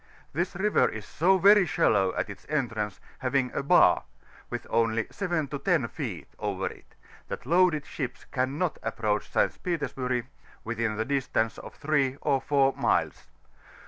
This river is so very shallow at its entrance, having a ocer^ with only 7 to 10 feet over it, that loaded ships cannot approach St. Petersburg within the distance of 3 or 4 miles.